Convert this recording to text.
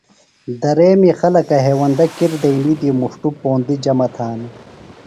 دریمی خلکہ ہیوندہ کِر دئینی دی مُݜٹوۡ پوندیۡ جمع تھانہ۔